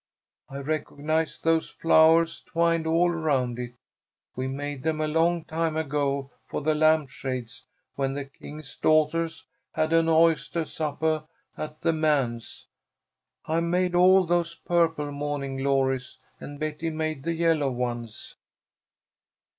I recognize those flowahs twined all around it. We made them a long time ago for the lamp shades when the King's Daughtahs had an oystah suppah at the manse. I made all those purple mawning glories and Betty made the yellow ones."